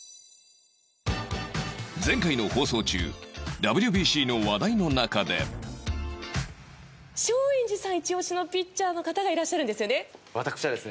前回の放送中松陰寺さんイチオシのピッチャーの方がいらっしゃるんですよね。